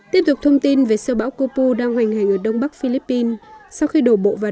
tiếp tục thông tin về sơ bão kopu đang hoành hành ở đông bắc philippines sau khi đổ bộ vào